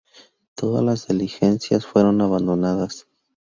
Todas las diligencias fueron abandonadas.